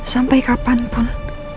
sampai kapan pun